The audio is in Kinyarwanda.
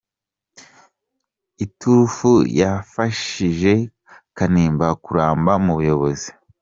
Iturufu yafashije Kanimba kuramba mu buyobozi.